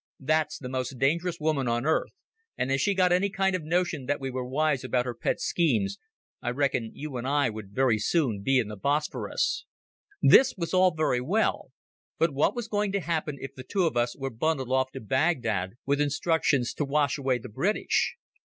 "That's the most dangerous woman on earth; and if she got any kind of notion that we were wise about her pet schemes I reckon you and I would very soon be in the Bosporus." This was all very well; but what was going to happen if the two of us were bundled off to Baghdad with instructions to wash away the British?